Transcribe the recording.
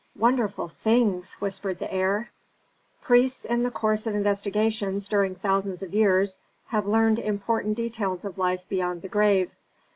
"Wonderful things!" whispered the heir. "Priests in the course of investigations during thousands of years have learned important details of life beyond the grave.